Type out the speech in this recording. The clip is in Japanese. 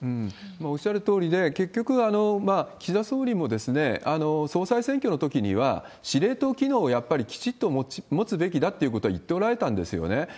おっしゃるとおりで、結局、岸田総理も総裁選挙のときには、司令塔機能をやっぱりきちっと持つべきだっていうことは言っておられたんですよね。